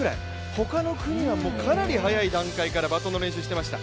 他の国がかなり早い段階からバトンの練習をしていました。